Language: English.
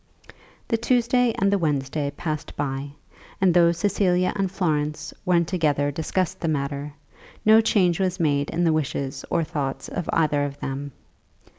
The Tuesday and the Wednesday passed by, and though Cecilia and Florence when together discussed the matter, no change was made in the wishes or thoughts of either of them.